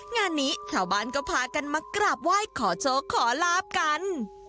งานนี้ชาวบ้านก็พากันมากราบไหว้ขอโชคขอลาบกัน